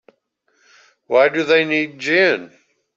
Why do they need gin?